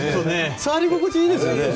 触り心地いいですよね。